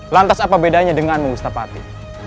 lantas apa bedanya denganmu wistapati